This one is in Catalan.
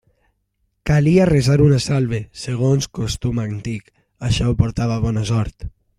Calia resar una salve, segons costum antic; això portava bona sort.